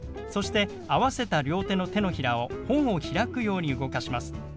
そして合わせた両手の手のひらを本を開くように動かします。